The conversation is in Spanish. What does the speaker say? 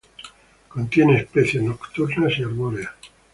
Contiene especies nocturnas y arbóreas.